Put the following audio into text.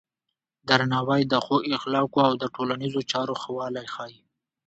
درناوی د ښو اخلاقو او د ټولنیزو چارو ښه والی ښيي.